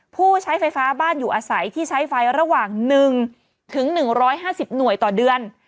ผู้ใช้ไฟฟ้าบ้านอยู่อาศัยที่ใช้ไฟระหว่าง๑๑๕๐หน่วยต่อเดือน